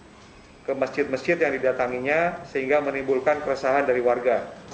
kedua wna ini sudah beberapa hari berkeliling dari masjid yang didatanginya sehingga menimbulkan keresahan dari warga